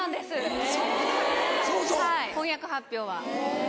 えぇ！婚約発表は。